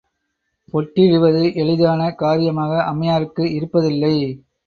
பொட்டிடுவது எளிதான காரியமாக அம்மையாருக்கு இருப்பதில்லை.